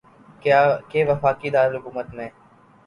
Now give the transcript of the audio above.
کہ وفاقی دارالحکومت میں